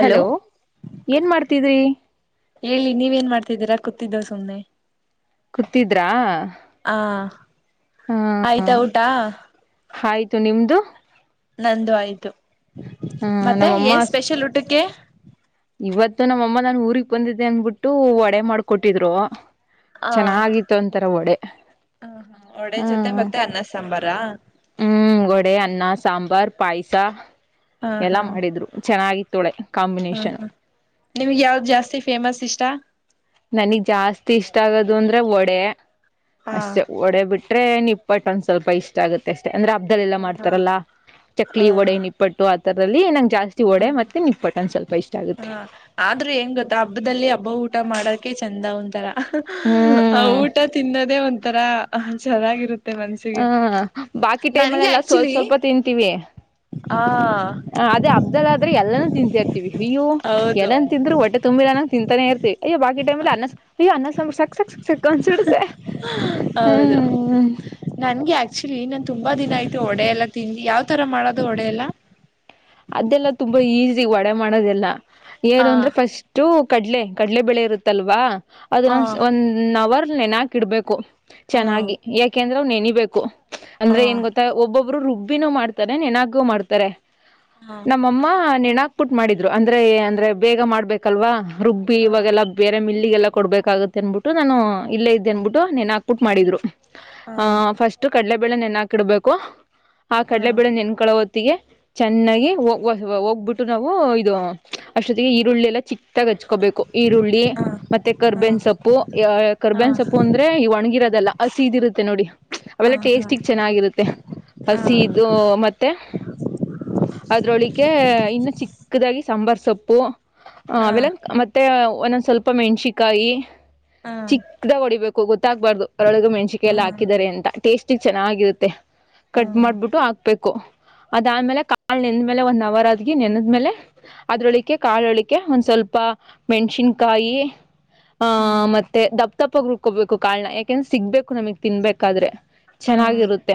Hello ಏನ್ ಮಾಡ್ತಿದ್ರಿ. ಹೇಳಿ ನೀವೇನ್ ಮಾಡ್ತಿದ್ದೀರಾ ಕೂತಿದ್ದ ಸುಮ್ಮ್ನೆ. ಕೂತಿದ್ರಾ ಹ ಹ ಆಯ್ತಾ ಊಟ. ಆಯ್ತು ನಿಮ್ದು. ನಂದು ಆಯ್ತು ಹ ಮತ್ತೆ ನಮ್ಮಮ್ಮ ಏನ್ ಸ್ಪೆಷಲ್ ಊಟಕ್ಕೆ. ಇವತ್ತು ನಮ್ಮಮ್ಮ ನಾನು ಊರಿಗೆ ಬಂದಿದ್ದೆ ಅನ್ಬಿಟ್ಟು ಒಡೆ ಮಾಡ್ಕೊಟ್ಟಿದ್ರು. ಆ ಚೆನ್ನಾಗಿತ್ತು ಒಂತರ ಓಡೆ ಹ ಹಾ ಒಡೆ ಜೊತೆ ಹ್ಮ. ಮತ್ತೆ ಅನ್ನ ಸಾಂಬಾರಾ ಹ್ಮ್ ಒಡೆ ಅನ್ನ ಸಾಂಬಾರ್ ಪಾಯಸ ಹಾ ಎಲ್ಲಾ ಹಾ ಮಾಡಿದ್ರು ಚೆನ್ನಾಗಿತ್ತು. ತೊಡೆ ಕಂ ಹಾ ಹಾ ನಿಮ್ಗೆ ಯಾವ್ದ್ ಜಾಸ್ತಿ ಫೇಮಸ್ ಇಷ್ಟ. ನನಗ್ ಜಾಸ್ತಿ ಇಷ್ಟ ಆಗದು ಅಂದ್ರೆ ವಡೆ ಹಾ ಅಷ್ಟೆ ವಡೆ ಬಿಟ್ಟ್ [unintelligible] ರೆ ನಿಪ್ಪಟ್ಟ ಒಂದ ಸ್ವಲ್ಪ ಇಷ್ಟ ಆಗುತ್ತೆ ಅಷ್ಟೇ ಅಂದ್ರೆ ಹಬ್ಬದಲೆಲ್ಲ ಹಾ ಮಾಡ್ತಾರಲ್ಲಾ ಚಕ್ಲಿ ಹಾ ವಡೆ ನಿಪ್ಪ ಪಟ್ಟು ಆಂಥದ್ರಲ್ಲಿ ನಂಗೆ ಜಾಸ್ತಿ ಒಡೆ ಮತ್ತೆ ನಿಪಟ್ಟ್ ಸ್ವಲ್ಪ ಇಷ್ಟ ಆಗುತ್ತೆ. ಹಾ ಆದ್ರೂ ಎನ್ ಗೊತ್ತ ಹಬ್ಬದಲ್ಲಿ ಹಬ್ಬ ಊಟ ಮಾಡಕೆ ಚಂದ ಒಂತರ. ಹಾ ಆ ಊಟ ತಿನ್ನದೇ ಒಂಥರ ಚೆನ್ನಾಗಿರುತ್ತ [unintelligible] ಹ ಮನಸಿಗೆ ಬಾಕಿ ನನಗೆ ಟೈಮಲ್ಲೆಲ್ಲ ಸ್ವಲ್ಪ ಆಕ್ಚುಲಿ. ಸ್ವಲ್ಪ ತಿಂತೀವಿ. ಹಾ ಹ ಅದೇ ಅಬ್ದುಲ್ ಆದ್ರೆ ಎಲ್ಲಾನೂ ತಿಂತಾಯಿರ್ತಿವಿ ಅಯ್ಯೋ ಹೌದು ಏನ್ ತಿಂದ್ರು ಹೊಟ್ಟೆ ತುಂಬಿಲ್ಲ ಅನ್ನಂಗ್ ತಿಂತಾನೇ ಇರ್ತಿವಿ. ಅಯ್ಯೊ ಬಾಕಿ ಟೈಮಲ್ ಅನ್ನ ಸಾಂಬಾರ್ ಸಾಕ್ ಸಾಕ್ ಸಕ್ ಅನ್ಸ್ಬಿಡುತ್ತೆ ಹೌದು ಹ್ಮ್. ನನ್ಗೆ ಆಕ್ಚುಲಿ ನಾನ್ ತುಂಬಾ ದಿನ ಆಯತು ಒಡೆ ಎಲ್ಲಾ ತಿಂದಿ ಯಾವ್ ತರ ಮಾಡೋದು ಒಡೆ ಎಲ್ಲಾ. ಅದೆಲ್ಲ ತುಂಬಾ ಈಸಿ ಒಡೆ ಮಾಡೋದೆಲ್ಲ ಏನು ಆ ಅಂದ್ರೆ ಫಸ್ಟ್ [unintelligible] ಕಡ್ಲೆ ಕಡಲೆ ಬೆಳೆ ಇರುತ್ತಲ್ವಾ ಅದನ್ನೊ ಆ ಒಂನ್ ಅವರ್ ನೆನಕಿ ಇಡ್ಬೇಕು. ಆ ಚೆನ್ನಾಗಿ ಯಾಕೆಂದ್ರೆ ಅವ್ ನೆನಬೇಕು ಆ ಅಂದ್ರೆ ಏನ್ ಗೊತ್ತ ಒಬ್ಬೊಬ್ಬರು ರುಬ್ಬಿನೂ ಮಾಡ್ತಾರೆ ನೆನಾಗೂ ಮಾಡ್ತಾರೆ ಹಾ ಮ್ಮ ನೆಣಾಕ್ಬಿಟ್ಟು ಮಾಡಿದ್ರು ಅಂದ್ರೆ ಅಂದ್ರೆ ಬೇಗ ಮಾಡ್ಬೇಕಲ್ವಾ ರುಬ್ಬಿ ಆ ಆ ಇವಾಗೆಲ್ಲ ಬೇರೆ ಮಿಲ್ಲಿಗೆಲ್ಲ ಕೊಡ್ಬೇಕಾಗೆ ಅಂದ್ಬಿಟ್ಟು ನಾನು ಇಲ್ಲ ಇದ್ದೆ ಅನ್ಬಿುೆನ್ ಹಾಕ ಪುಟ್ ಮಾಡಿದ್ರು ಆ ಆಹ ಫಸ್ಟ್ ಕಡಲೆಬೇಳೆನೆನ್ ಹಾಕಿಡ್ಬೇಕು ಆ ಕಡಲೆ ಬೀಡ ನೆನ್ಕಳ ಹೊತ್ತಿಗೆ ಚೆನ್ನಾಗಿೋಗ ಹೋಗ್ಬಿಟ್ಟು ನಾವು ಇದು ಅಷ್ಟೊತ್ತಿಗೆ ಈರುಳ್ಳಿ ಎಲ್ಲ ಚಿಕ್ಕಾಗಿ ಹಚ್ಕೋಬೇಕು ಈರುಳ್ಳಿ ಮತ್ತೆ ಕರ್ಬೇನ್ ಸೊಪ್ಪು ಆ ಕರ್ಬೇನ್ ಸೊಪ್ಪು ಅಂದ್ರೆ ಒಣಗಿರೋದಲ್ಲ ಹಸಿ ಇದಿರುತ್ತೆ ನೋಡಿ ಆ ಅವೆಲ್ಲ ಹಾ ಟೇಸ್ಟಗ್ ಚೆನ್ನಾಗಿರುತ್ತೆ ಆ ಹಸಿಿದು ಮತ್ತೆ ಅದ್ರೊಳಿಕ ಇನ್ನು ಚಿಕ್ಕದಾಗಿ ಸಾಂಬಾರ್ ಸೊಪ್ಪು ಆ ಅವೆಲ್ಲ ಮೆ ಮತ್ತೆ ಒಂದೊಂದ ಸ್ವಲ್ಪ ಮೆಣ್ಸಿಕಾಯಿ ಆ ಚಿ ಅದರಾಗ ಹೊಡಿಬೇಕು ಗೊತ್ತಾಗ್ಬಾರ್ದು ಅದರೊಳಗ ಮೆಣಸಿಕೆ ಆ ಎಲ್ಲ ಹಾಕಿದಿದ್ದಾರೆ ಅಂತ ಟೇಸ್ಟಿಗೆ ಚೆನ್ನಾಗಿರುತ್ತೆ ಕಟ್ ಆ ಮಾಡ್ಬಿಟ್ಟು ಹಾಕ್ಬೇಕು ಅದಾದ್ಮೇಲೆ ಕಾಳ ನೆಂದ್ಮೇಲೆ ಒನ್ ಅವರ್ ಆದ ನೆನ್ದ್ಮೇಲೆ ಅದ್ರೊಳಿಕ ಕಾಳೊಳಕ್ಕೆ ಒಂದ್ ಸ್ವಲ್ಪ ಮೆಣಸಿನ್ಕಾಯಿ ಆ ಮತ್ತೆ ದಪ್ಪ ತಪ್ಪಗ್ ರುಕೋಬೇಕು ಕಾನ ಯಾಕೆಂದ್ರ ಸಿಗ್ಬೇಕು ನಮಗ್ ತಿನ್ಬೇಕಾದ್ರೆ ಆ ಚೆನ್ನಾಗಿರುತ್ತೆ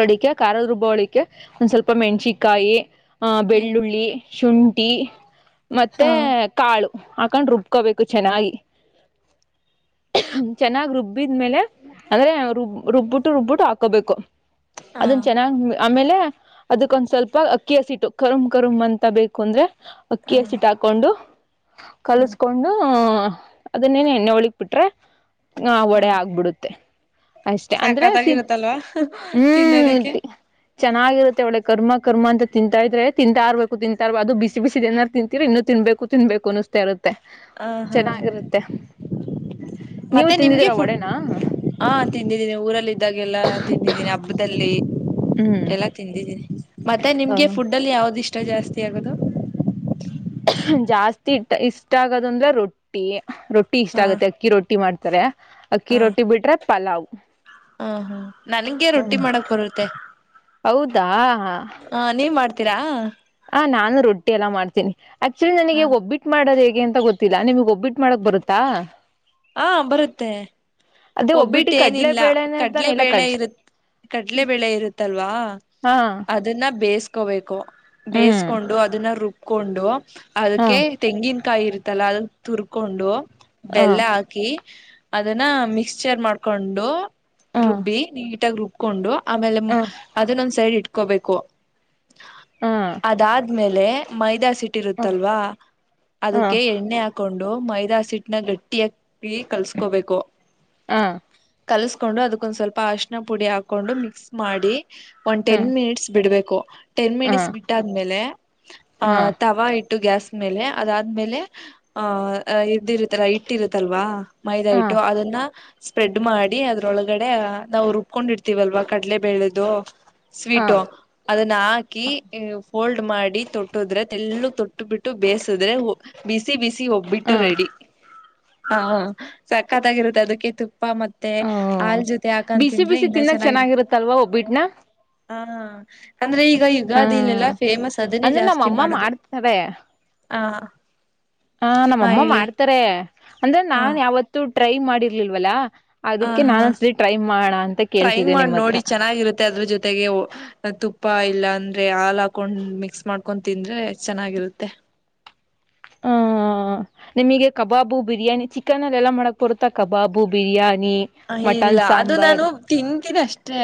ರಡಿಕ ಖಾರದರುಬ್ಬಳಿಕೆ ಒಂದ್ ಸ್ವಲ್ಪ ಪಪ್ಪ ಮೆಣಸಿಕಾಯಿ ಆ್ ಹ್ಮ್ ಬೆಳ್ಳುಳ್ಳಿ ಶುಂಠಿ ಹಾ ಮತ್ತೆ ಕಾಳು ಹಾಕಂಡ್ ರುಬ್ಕೋಬೇಕು ಚೆನ್ನಾಗಿ ಚೆನ್ನಾಗ್ ರುಬ್ಬಿದ್ಮೇಲೆ ಅಂದ್ರೆ ರುಬ್ ರುಬ್ಬಿಟ್ಟು ರುಬ್ಬಿಟ್ಟು ಹಾಕೋಬೇಕು ಆ ಅದನ್ ಚೆನ್ನಾಗ್ ಆಮೇಲೆ ಅದಕ್ಕೊಂದ್ ಸ್ವಲ್ಪ ಅಕ್ಕಿ ಹಸಿಟ್ಟು ಕರುಮ್ ಕರುಮ್ ಅಂತ ಬೇಕು ಅಂದ್ರೆ ಆ ಅಕ್ಕಿ ಹಸಿಟ್ ಹಾಕ್ ಕೊಂಡು ಹ್ಮ್ ಕಲಸ್ಕೊಂಡು ಅದನ್ನೇನ ಎಣ್ಣೆ ಒಳಗ್ ಬಿಿಟ್ರೆ ಹ ಹಾ ಒಡೆ ಆಗ್ಬಿಡುತ್ತೆ ಅಷ್ಟೆ ಅಂದ್ರೆ ಸಿ ಸಾಕತ್ತಾಗಿರುತ್ತಲ್ವಾ ಹ್ಮ್ ತಿನ್ನೋದಿಕ್ಕೆ ಚೆನ್ನಾಗಿರುತ್ತೆ ಒಳ ಕರ್ಮ ಕರ್ಮ ಅಂತ ತಿಂತಾ ಇದ್ರೆ ತಿಂತ ಆರ್ಬೇಕು ತಿಂತಬ ಅದು ಬಿಸಿ ಬಿಸಿದ ನಾರು ತಿಂತೀರಿ ಇನ್ನು ತಿನ್ಬೇಕು ತಿನ್ಬೇಕು ಅನ್ನಿಸತಾ ಇರದು ಹ ಹಾ ಚೆನ್ನಾಗಿರುತ್ತೆ ನೀವು ಮತ್ತೆ ನಿಮ್ಗೆ ತಿಂದಿದೀರಾ ಫುಡ್ ಒಡೆನಾ ಹಾ ತಿಂದಿದ್ದೀನಿ ಊರಲ್ಲ ಇದಿದ್ದಾಗ ಎಲ್ಲಾ ತಿಂದಿದ್ದೀನಿ ಹಬ್ಬದಲ್ಲಿ ಹ್ಮ್ ಎಲ್ಲಾ ತಿಂದಿದ್ದೀನಿ ಮತ್ತೆ ನಿಮ್ಗೆ ಫುಡ್ ಅಲ್ಲಿ ಯಾವ್ದ್ ಇಷ್ಟ ಜಾಸ್ತಿ ಆಗದು ಜಾಸ್ತಿ ಇಟ್ಟ ಇಷ್ಟ ಆಗೋದಂದ್ರೆ ರೊಟ್ಟಿ ರೊಟ್ಟಿ ಇಷ್ಟ ಹಾ ಆಗುತ್ತೆ ಅಕ್ಕಿ ರೊಟ್ಟಿ ಮಾಡ್ತಾರೆ ಅಕ್ಕಿ ರೊಟ್ಟಿ ಬಿಟ್ರೆ ಪಲಾವ್ ಹ್ಮ ಹ್ಮ ನನ್ಗೆ ರೊಟ್ಟಿ ಹ್ಮ್ ಮಾಡಕ್ ಬರುತ್ತೆ ಹೌದಾ ೀರಾ ಹ ನಾನು ರೊಟ್ಟಿ ಎಲ್ಲ ಮಾಡ್ತೀನಿ ಆಕ್ಚುಲಿ ನನಗೆ ಹ ಒಬ್ಬಿಟ್ಟು ಮಾಡೋದ್ ಹೇಗೆ ಅಂತ ಗೊತ್ತಿಲ್ಲಾ ನಿಮ್ಗ್ ಒಬ್ಬಿಟ್ಟಟ್ ಮಾಡಕ್ ಬರುತ್ತಾ ಹಾ ಬರುತ್ತೆ ಅದೇ ಒಬ್ಬಿಟ್ಟಿ ಒಬ್ಬಿಟ್ಟ ಕಡ್ಲೆ ಏನಿಲ್ಲ ಬೇಳೆನೆ ತಾನೆ ಕಡಲೆ ಇಲ್ಲ ಬೇಳೆ ಕಡ್ಲೆ ಇರುತ್ತೆ ಕಡ್ಲೆ ಬೆಳೆ ಇರುತ್ತಲ್ವಾ ಅ ಹಾ ಅದನ್ನ ಬೇಯಿಸಕೋಬೇಕು ಹ್ಮ್ ಬೇಯಿಸಕೊಂಡು ಅದನ್ನ ರುಬ್ಕೊಂಡು ಹಾ ಅದಕ್ಕೆ ತೆಂಗಿನಕಾಯಿ ಇರುತ್ತಲ್ಲ ಅದ ತುರ್ಕೊಂಡು ಹಾ ಬೆಲ್ಲ ಹಾಕಿ ಅದನ್ನ ಮಿಕ್ಸ್ ಚೇರ್ ಮಾಡ್ಕೊಂಡು ಹಾ ರುಬ್ಬಿ ನೀಟಾಗಿ ರುಬ್ಕೊಂಡು ಆಮೇಲೆ ಹಾ ಅದನ್ನ ಒಂದ ಸೈಡ್ ಇಟ್ಕೋಬೇಕು ಹಾ ಅದಾದ್ಮೇಲೆ ಮೈದಾ ಸಿಟ್ಟ ಹಾ ರುತ್ತಲ್ವಾ ಹಾ ಅದಕ್ಕೆ ಎಣ್ಣೆ ಹಾ ಕೊಂಡು ಮೈದಾ ಸಿಟ್ನ ಗಟ್ಟಿ ಹಕಿ ಕಲ್ಸಕೋಬೇಕು ಹಾ ಕಲಸ್ಕೊಂಡು ಅದಕ್ಕೊಂದ ಸ್ವಲ್ಪ ಅಶಿನ ಪುಡಿ ಹಾಕೊಂಡು ಮಿಕ್ಸ್ ಮಾಡಿ ಒಂದು ಹಾ ಹಾ ಟೆನ್ ಮಿನಿಟ್ಸ್ ಬಿಡ್ಬೇಕು ಟೆನ್ ಮಿನಿಟ್ಸ್ ಹಾ ಬಿಟ್ಟಾದ್ಮೇಲೆ ಅ ತವಾ ಇ ಇಟು ಗ್ಯಾಸ್ ಮೇಲೆ ಅದಾದ್ಮೇಲೆ ಆಹ್ ಅಹ ಇದ್ದಿರುತ್ತಲ್ಲ ಹಿಟ್ಟಿರುತ್ತಲ್ವಾ ಮೈದಾ ಹಿಟ್ಟು ಅದನ್ನ ಸ್ಪ್ರೆಡ್ ಮಾಡಿ ಅದ್ರೊಳಗಡೆ ನಾವು ರುಬ್ಕೊಂಡಿರ್ತೀವಲ್ವಾ ಕಡಲೆ ಬೆೇಳೆದು ಹಾ ಸ್ವೀಟು ಹಾ ಅದನ್ನ ಹಾಕಿ ಫೋಲ್ಡ್ ಮಾಡಿ ತೊಟ್ಟದ್ರೆ ಎೆಲ್ಲು ತೊಟ್ಟು ಬಿಟ್ಟು ಬೇಯಸಿದ್ರೆ ಬಿಸಿ ಬಿಸಿ ಒಬ್ಬಿಟ್ಟು ಹಾ ರೆಡಿ ಹಾ ಸಕ್ಕತ್ತಾಗಿರುತ್ತೆ ಅದಕ್ಕೆ ತುಪ್ಪ ತುಪ್ಪ ಮತ್ತೆ ಹಾಲ್ ಜೊತೆ ಬಿಸಿ ಹಾಕಂತಿಂದ್ರೆ ಬಿಸಿ ಇನ್ನ ತಿನ್ನಕ್ ಚೆನ್ನಾಗಿರುತ್ತೆ ಚೆನ್ನಾಗಿರುತ್ತಲ್ವಾ ಒಬ್ಬಿಟ್ನ ಹಾ ಅಂದ್ರೆ ಈಗ ಯುಗಾದಿ ಹ್ಮ್ ಲೆೆಲ್ಲಾ ಫೇಮಸ್ ಅದನೇ ಅಂದ್ರೆ ಜಾಸ್ತಿ ನಮ್ಮಮ್ಮ ಮಾಡದು ಮಾಡ್ತಾರೆ ಹಾ ಹ ನಮ್ಮಮ್ಮ ಹೇಳಿ ಮಾಡ್ತಾರೆ ಅಂದ್ರೆ ಹಾ ನಾನ್ ಯಾವತ್ತು ಟ್ರೈ ಮಾಡಿರ್ಲಿಲ್ವಲ್ಲಾ ಅದಕ್ಕೆ ಹ ನಾನು ಹಾ ಒಂದುಸಾರಿ ಟ್ರೈ ಮಾಡ ಅಂತ ಕೇಳ್ತಿದ್ದೆ ನಿಮ್ಮ ಹತ್ರ ಚೆನ್ನಾಗಿ ಆಗಿರುತ್ತದೆ ಅದ್ರ ಜೊತೆ ತ್ತೆಗೆ ತುಪ್ಪ ಇಲ್ಲಾ ಅಂದ್ರೆ ಹಾಲ್ ಹಾಕೊಂಡ್ ಮಿಕ್ಸ್ ಮಾಡ್ಕೊಂಡ್ ತಿಂದ್ರೆ ಚೆನ್ನಾಗಿರುತ್ತೆ ಹ ನಿಮಗೆ ಕಬಾಬು ಬಿರಿಯಾನಿ ಚಿಕನ್ ಅಲ್ಲಿ ಎಲ್ಲಾ ಮಾಡಕ್ ಬರುತ್ತಾ ಕಬಾಬು ಬಿರಿಯಾನಿ ಇಲ್ಲ ಮಟನ್ ಅದು ನಾನು ಸಾಂಬಾರ್ ತಿಂತಿದೆ ಅಷ್ಟೆ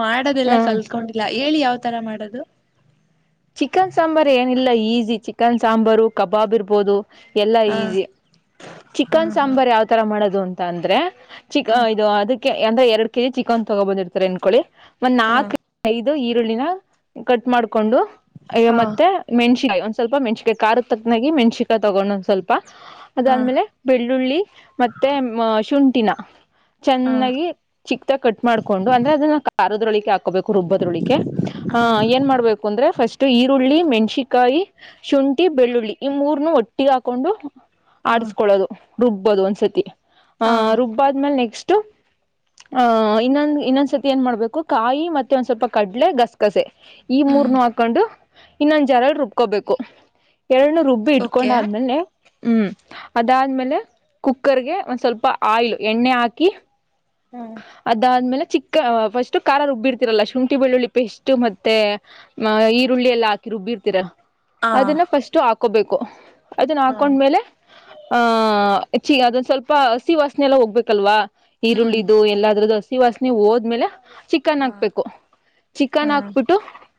ಮಾಡಿದ್ದೆಲ್ಲಾ ಹ್ಮ ಕಲ್ತ್ಕೊಂಡ ಇಲ್ಲ ಹೇಳಿ ಯಾವ್ ತರಾ ಮಾಡೋದು ಚಿಕನ್ ಸಾಂಬಾರ್ ಏನಿಲ್ಲ ಈಜಿ ಚಿಕನ್ ಸಾಂಬಾರು ಕಬಾಬ್ ಇರ್ಬೋದು ಎಲ್ಲಾ ಹ ಈಜಿ ಹಾ ಚಿಕನ್ ಸಾಂಬಾರ್ ಹಾ ಯಾವ ತರ ಮಾಡೋದು ಅಂತ ಅಂದ್ರೆ ಹ ಚಿಕನ್ ಇದು ಅದ ಅಂದ್ರೆ ಎರಡ್ ಕೆ ಜಿ ಚಿಕನ್ ತಗೊ ಬಂದಿರ್ತಾರೆ ಅನ್ಕೊಳ್ಳಿ ಮತ್ ಹ ನಾಲ್ಕು ಐದು ಈರುಳ್ಳಿನ ಕಟ್ ಮಾಡ್ಕೊಂಡು ಯ್ಯೋ ಹಾ ಮತ್ತೆ ಮೆಣಸಿಕಾಯಿಗೆ ಒಂದ್ ಸ್ವಲ್ಪ ಮೆಣಸಿಗೆಯ ಕಾರ ತಕ್ನಾಗಿ ಮೆಣ್ಸಿಕಾಯ ತಗೊಂಡ್ ಒಂದ್ ಸ್ವಲ್ಪ ಹಾ ಅದಾದ್ಮೇಲೆ ಬೆಳ್ಳುಳ್ಳಿ ಮತ್ತೆ ಶುಂಠಿನ ಹಾ ಚೆನ್ನಾಗಿ ಚಿಕ್ದಾಗ ಕಟ್ ಮಾಡ್ಕೊಂಡು ಅಂದ್ರೆ ಅದನ್ನ ಕಾರದ್ರೊಳಿಕೆ ಹಾಕಬೇಕು ರುಬ್ಬದ್ರೊಳಿ ಹಾ ಹ ಏನ್ ಮಾಡ್ಬೇಕು ಅಂದ್ರೆ ಫಸ್ಟ್ ಈರುಳ್ಳಿ ಮೆಣ್ಸಿಕಾಯಿ ಶುಂಠಿ ಬೆಳ್ಳುಳ್ಳಿ ಈ ಮೂರ್ನು ಒಟ್ಟಿ ಹಾಕೊಂಡು ಹಾ ಆಡ್ಸ್ಕೊಳ್ಳೋದು ರುಬ್ಬೋದು ಒಂದ್ಸತಿ ಹಾ ಆಹ ರುಬ್ಬಾದ್ಮೇಲ್ ನೆಕ್ಸ್ಟ್ ಆಹ ಇನ್ನೊಂದ್ ಇನ್ನೊಂದ್ಸರ್ತಿ ಏನ್ ಮಾಡ್ಬೇಕು ಕಾಯಿ ಮತ್ತೆ ಒಂದ ಸ್ವಲ್ಪ ಕಡಲೆ ಗಸ್ ಗಸೆ ಈ ಹ್ಮ್ ಮೂರ್ನು ಹಾಕೊಂಡು ಇನ್ನೊಂದ ಜಾರಲಿ ರುಬ್ಕೋಬೇಕು ಎರಡು ರುಬ್ಬಿ ಓಕೆ ಇಟ್ಕೊಂಡಾದ್ಮೇಲೆ ಹ್ಮ್ ಅದಾದ್ಮೇಲೆ ಕುಕ್ಕರ್ಗೆ ಒಂದು ಸ್ವಲ್ಪ ಆಯಿಲು ಎಣ್ಣೆ ಹಾಕಿ ಹಾ ಅದಾದ್ಮೇಲೆ ಚಿಕ್ಕ ಫಸ್ಟ್ ಖಾರ ರುಬ್ಬಿರ್ತಿರಲ್ಲ ಶುಂಠಿ ಬೆಳ್ಳುಳ್ಳಿ ಪೆಸ್ಟ್ ಮತ್ತೆ ಈರುಳ್ಳಿ ಎಲ್ಲ ಹಾಕಿ ರುಬ್ಬಿರ್ತೀರ ಅದನ್ನ ಫಸ್ಟ್ ಹಾಕೋಬೇಕು ಅದನ್ನ ಹಾ ಹಾಕೊಂಡ್ಮೇಲೆ ಆಹ ಚಿ ಅದೊಂದು ಸ್ವಲ್ಪ ಹಸಿ ವಾಸನೆ ಎಲ್ಲ ಹೋಗ್ಬೇಕಲ್ವಾ ಹ್ಮ್ ಈರುಳ್ಳಿದು ಎಲ್ಲದ್ರದ್ದು ಹಸಿ ವಾಸನೆ ಹೋದ್ಮೇಲೆ ಚಿಕನ್ ಹಾ ಹಾಕ್ಬೇಕು ಚಿಕನ್ ಹಾ ಹಾಕ್ಬಿಟ್ಟು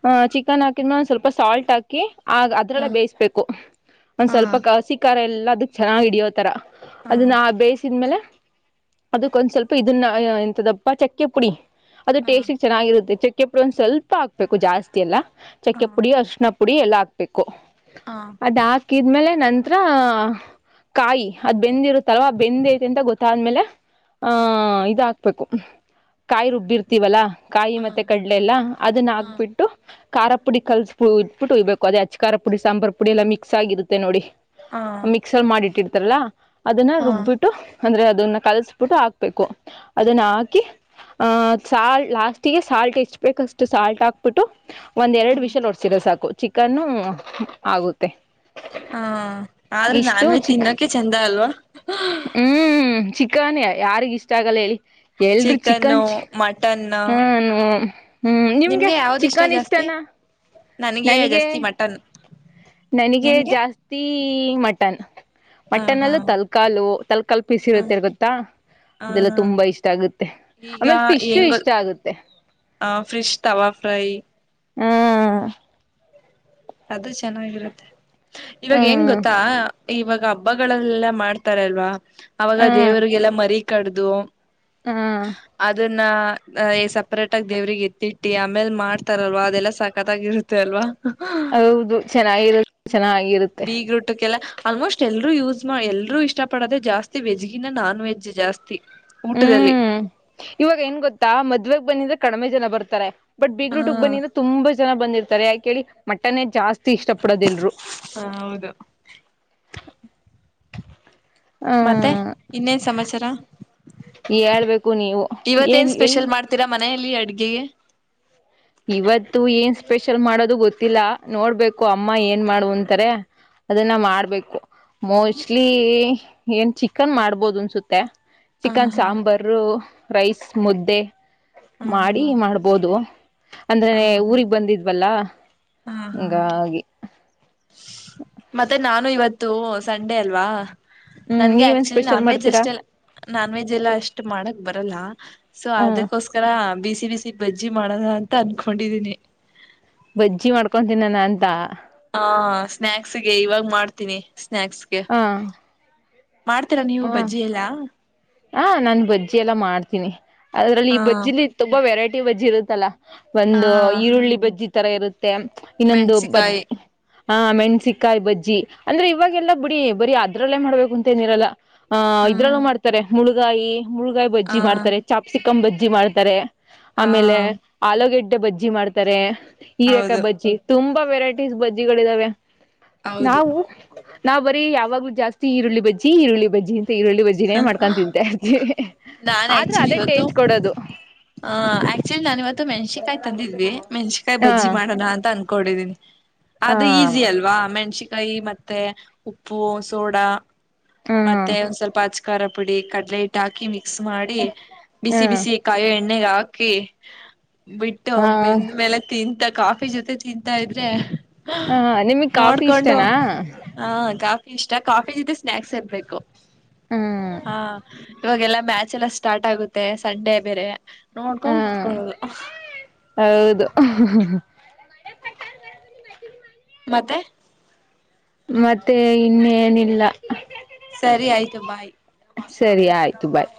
ಆ ಚಿಕನ್ ಹಾಕ್ ಇನ್ನೊಂದು ಸ್ವಲ್ಪ ಸಾಲ್ಟ್ ಹಾಕಿ ಆ ಹಾ ಅದ್ರಲ್ಲ ಬೇಯಿಸ್ಬೇಕು ಒಂದ್ ಹಾ ಸ್ವಲ್ಪ ಕಸಿಕಾರ ಎಲ್ಲ ಅದಕ್ ಚೆನ್ನಾಗಿ ಹಿಡಿಯೋತರ ಹಾ ಅದನ್ನ ಬೇಯಿಸಿದ್ಮೇಲೆ ಅದಕ್ ಒಂದ್ ಸ್ವಲ್ಪ ಇದನ್ನ ಎಂತದಪ್ಪ ಚಕ್ಕೆ ಪುಡಿ ಅದು ಟೇಸ್ಟಿಗೆ ಚೆನ್ನಾಗಿರುತ್ತೆ ಚಕ್ಕೆಪ್ಪು ಒಂದ ಸ್ವಲ್ಪ ಹಾಕ್ಬೇಕು ಜಾಸ್ತಿ ಎಲ್ಲ ಹಾ ಚಕ್ಕೆ ಪುಡಿ ಅಶಣ ಪುಡಿ ಎಲ್ಲ ಹಾಕ್ಬೇಕು ಹಾ ಹಾ ಅದ ಹಾ ಕ್ಮೇಲೆ ನಂರ ಕಾಯಿ ಅದ್ ಬೆಂದಿರುತ್ತಲ್ವಾ ಬೆಂದ್ ಐತಿ ಅಂತ ಗೊತ್ತಾದ್ಮೇಲೆ ಹಾ ಆಹ ಇದ ಹಾಕ್ಬೇಕು ಕಾಯಿ ರುಬ್ಬಿರ್ತ ವಲ್ಲಾ ಕಾಯಿ ಮತ್ತೆ ಹಾ ಕಡಲೆ ಎಲ್ಲಾ ಅದನ್ನ ಹಕ್ಬಿಟ್ಟು ಖಾರ ಪುಡಿ ಕಲ್ಸಟ್ಬಿಟ್ಟು ಉಯ್ಬೇಕು ಅದೇ ಅಚಕಾರ ಪುಡಿ ಸಾಂಬಾರ್ ಪುಡಿ ಎಲ್ಲ ಮಿಕ್ಸ್ ಆಗಿರುತ್ತೆ ನೋಡಿ ಹಾ ಹಾ ಮಿಕ್ಸರ್ ಮಾಡಿಟ್ಟಿರ್ತಾರಲ್ಲ ಅದನ್ನ ಹಾ ರುಬ್ಬಿಟ್ಟ ರುಬ್ಬಿಟ್ಟು ಅಂದ್ರೆ ಅದನ್ನ ಕಲಸ್ಬಿಟ್ಟು ಹಾಕ್ಬೇಕು ಅದನ್ನ ಹಾಕಿ ಆ್ ಸಾಲ್ಟ್ ಲಾಸ್ಟ್ಗೆ ಸಾಲ್ಟ್ ಇಚ್ ಬಷ್ಟು ಸಾಲ್ಟ್ ಹಾಕ್ಬಿಟ್ಟು ಒಂದ್ ಎರ ವಿಷಲ್ ಹೊಡ್ಸೀರ ಸಾಕು ಚಿಕನ್ನು ಆಗುತ್ತೆ ಹಾ ಆದ್ರೆ ಇಷ್ಟು ನಾನ್ ವೇಜ್ ಚಿಕ್ ತಿನ್ನೋಕೆ ಚಂದ ಅಲ್ವಾ ಹ್ಮ್ ಚಿಕನ್ ಯಾರಿಗ ಇಷ್ಟ ಆಗಲ್ಲ ಹೇಳಿ ಎಲ್ರು ಚಿಕನ್ನು ಚಿಕನ್ ಚ ಹಾ ನಿಮಗೆ ಯಾವ್ದ ಇಷ್ಟ ಜಾಸ್ತಿ ನನ್ಗೆ ನನಗೆ ಜಾಸ್ತಿ ಮಟನ್ ನನಗೆ ನಿಮ್ಗೆ ಜಾಸ್ತಿ ಮಟನ್ ಹ ಮಟನ್ ಹಾ ಅಲ್ಲೂ ತಲ್ಕಾಲು ತ ಹ ಕಲ್ಪಿಸಿರುತ್ತೆರ್ ಗೊತ್ತಾ ಹ ಇದೆಲ್ಲ ಹಾ ತುಂಬಾ ಇಷ್ಟ ಆಗುತ್ತೆ ಆಮೇಲೆ ಫಿಶ್ ಇಷ್ಟ ಆಗುತ್ತೆ ಫ್ರಿಶ್ ತಾವ ಫ್ರೈ ಹ್ಮ ಅದು ಚೆನ್ನಾಗಿರುತ್ತೆ ಇವಾಗ ಹೆಂಗ ಹ್ಮ್ ಗೊತ್ತಾ ಇವಾಗ ಹಬ್ಬಗಳಲ್ಲೆಲ್ಲ ಮಾಡ್ತಾರ ಅಲ್ವಾ ಅವವಾಗ ದೇವರಿಗೆಲ್ಲ ಮರಿ ಕಡ್ದು ಹು ಅದನ್ನ ಸಪ್ರೇಟ್ ಆಗ ದೇವ್ರಿಗೆ ಎತ್ತಿಟ್ಟಿ ಆಮೇಲ್ ಮಾಡ್ತಾರಲ್ವಾ ಅದೆಲ್ಲ ಸಕತ್ಾಗಿರುತ್ತ ಅಲ್ವಾ ಹೌದು ಚೆನ್ನಾಗಿರು ಚೆನ್ನಾಗಿರುತ್ತೆ ಈಟಕ್ಕೆಲ್ಲ ಆಲ್ಮೋಸ್ಟ್ ಎಲ್ಲರೂ ಯೂಸ್ ಮಾಡ ಎಲ್ರೂ ಇಷ್ಟ ಪಡೋದೆ ಜಾಸ್ತಿ ವೆಜ್ಗಿಂತ ನಾನ್ ವೆಜ್ ಜಾಸ್ತಿ ಊಟದಲ್ಲಿ ಹ್ಮ್ ಇವಾಗ ಏನ್ ಗೊತ್ತಾ ಮದ್ವೆಗ್ ಬನ್ನಿದ್ರೆ ಕಡಿಮೆ ಜನ ಬರ್ತಾರೆ ಬಟ್ ಹ ಬೀಗ್ರೂಟ್ಗ್ ಬನ್ನಿದ್ರೆ ತುಂಬಾ ಜನ ಬಂದಿರ್ತಾರೆ ಯಾಕೇಳಿ ಮಟನ್ ಜಾಸ್ತಿ ಇಷ್ಟ ಪಡೋದಲ್ರು ಹ ಹೌದು. ಹ್ಮ್ ಇನ್ನೇನು ಸಮಾಚರ ಹೇಳ್ಬೇಕು ನೀವು ಏನ್ ಎಲ್ಲಿ ಹತ್ತೀರಾ ಮನೆಯಲ್ಲಿ ಅಡ್ಗೆ ಇವತ್ತು ಏನ್ ಸ್ಪೆಷಲ್ ಮಾಡೋದು ಗೊತ್ತಿಲ್ಲ ನೋಡ್ಬೇಕು ಅಮ್ಮ ಏನ್ ಮಾಡುವ ಅಂತಾರೆ ಅದನ್ನ ಹ್ಮ ಮಾಡ್ಬೇಕು ಮೋಸ್ಟ್ಲಿ ಏನ್ ಚಿಕನ್ ಮಾಡ್ಬೋದು ಅನ್ಸುತ್ತೆ ಹ ಚಿಕನ್ ಹಾ ಸಾಂಬಾರ ರೈಸ್ ಮುದ್ದೆ ಹಾ ಮಾಡಿ ಹಾ ಮಾಡ್ಬೋದು ಹ ಅಂದ್ರನೇ ಊಗ್ ಬಂದಿದ್ವಲ್ಲ ಹಾ ಹಾ ಹಂಗಿ ಮತ್ತೆ ನಾನು ಇವತ್ತು ಸಂಡೇ ಅಲ್ವಾ ಹ್ಮ್ ನನ್ಗೆ ನೀವೇನ್ ಆಕ್ಚುಲಿ ಸ್ಪೆಷಲ್ ನಾನ್ ವೆಜ್ ಮಾಡ್ತೀರಾ ಅಷ್ಟೆಲ್ಲ ನಾನ್ ವೆಜ್ ಎಲ್ಲ ಅಷ್ಟು ಮಾಡಕ್ ಬರಲ್ಲ ಸೊ ಹ್ಮ ಅದಕ್ಕೋಸ್ಕರ ಬಿಸಿ ಬಿಸಿ ಬಜ್ಜಿ ಮಾಡದ ಅಂತ ಅನ್ಕೊಂಡಿದೀನಿ ಬಜ್ಜಿ ಮಾಡ್ಕೊತೀನಾನ ಅಂತ ಹಾ ಸ್ನ್ಯಾಕ್ಸ್ಗೆ ಇವಾಗ ಮಾಡ್ತೀನಿ ಸ್ನ್ಯಾಕ್ಸ್ಗೆ ಹಾ ಮಾಡ್ತೀರಾ ನೀವು ಬಜ್ಜಿ ಎಲ್ಲಾ ಹಾ ನಾನ್ ಬಜ್ಜಿ ಎಲ್ಲ ಮಾಡ್ತೀನಿ ಅದ್ರಲ್ಲಿ ಹ ಈ ಬಜ್ಜಿಲಿ ತುಂಬಾ ವೆರೈಟಿ ಬಜ್ಜಿ ಇರುತ್ತಲ್ಲ ಹಾ ಒಂದು ಈರುಳ್ಳಿ ಬಜ್ಜಿ ತರ ಇರುತ್ತೆ ಇನ್ನೊಂದು ಬದ ಮೆಣಸಿಕಾಯಿ ಹಾ ಮೆಣ್ಸಿಿಕಾಯಿ ಬಜ್ಜಿ ಅಂದ್ರೆ ಇವಾಗೆಲ್ಲಾ ಬಿಡಿ ಬರೀ ಅದ್ರಲ್ಲೇ ಮಾಡ್ಬೇಕುಂತ ಏನಿರಲ್ಲಾ ಅಹ ಇದ್ರಲ್ಲೂ ಹ್ಮ್ ಮಾಡ್ತಾರೆ ಮುಳಗಾಯಿ ಮುಳ್ಗಾಯಿ ಹ ಬಜ್ಜಿ ಮಾಡ್ತಾರೆ ಚಾಪ್ಸಿಕಂ ಬಜ್ಜಿ ಮಾಡ್ತಾರೆ ಹ ಆಮೇಲೆ ಆಲೂಗೆಡ್ಡೆ ಬಜ್ಜಿ ಮಾಡ್ತಾರೆ ಈ ರಕ ಹೌದು ಬಜ್ಜಿ ತುಂಬಾ ವೆರೈಟೀಸ್ ಬಜ್ಜಿಗಳಿದಾವೆ ಹೌದು ನಾವು ನಾವ್ ಬರೀ ಯಾವಾಗ್ೂ ಜಾಸ್ತಿ ಈರುಳ್ಳಿ ಬಜ್ಜ ಈರುಳ್ಳ ಬಜ್ಜಿ ಇಂತ ಈರುಳ್ಳಿಜ್ಜಿ ದಿನೇನ್ ಮಾಡ್ಕೊಂಡು ತಿಂತೆವಿ ನಾನ್ು ಆಕ್ಚುಲಿ ಇವತ್ತು ಹ ಆಕ್ಚುಲಿ ನಾ ಇವತ್ತು ಮೆಣಸಿಕಾಯ್ ತಂದಿದ್ವಿ ಮೆಣಸಕಾಯಿ ಹಾ ಬಜ್ಜಿ ಮಾಡಣ ಅಂತ ಕೊಡಿದ್ದೀನಿ ಹಾ ಅದು ಈಸಿ ಅಲ್ವಾ ಮೆಣ್ಸಕಾಯಿ ಮೆ ಮತ್ತೆ ಉಪ್ಪು ಸೋಡಾ ಹ್ಮ್ ಮತ್ತೆ ಒಂದ್ ಸ್ವಲ್ಪ ಹಚಕಾರ ಪುಡಿ ಕಡಲೆ ಇಟ್ಟು ಹಾಕಿ ಮಿಕ್ಸ್ ಮಾಡಿ ಬಿಸಿ ಹ್ಮ್ ಬಿಸಿ ಕಾಯಿ ಎಣ್ಣಗ ಹಾಕಿ ಬಿಟ್ಟು ಹ ಬೆೆಂದ್ಮೇಲೆ ತಿಂತಕ್ ಹಾಕಿ ಿ ಜೊತೆ ತಿಂತಾ ಇದ್ರೆ ಹಾ ನಿಮಗ್ ಕಾಫಿ ನೋಡ್ಕೊಂಡು ಇಷ್ಟನಾ ಹಾ ಕಾಫಿ ಇಷ್ಟ ಕಾಫಿ ಜೊತೆ ಸ್ನಾಕ್ಸ್ ಇರ್ಬೇಕು ಹ್ಮ್ ಹವ ಇವಾಗೆಲ್ಲ ಮ್ಯಾಚ್ ಎಲ್ಲ ಸ್ಟಾರ್ಟ್ ಆಗುತ್ತೆ ಸಂಡೇ ಬೇರೆ ನೋಡ್ಕೊಂಡ್ ಹ್ಮ್ ಕುೂತ್ಕೊಳ್ಳೋದು ಹೌದು ಮತ್ತೆ ಮತ್ತೆ ಇನ್ನೇನಿಲ್ಲ ಸರಿ ಆಯ್ತು ಬಾಯ್ ಸರಿ ಆಯ್ತು ಬಾಯ್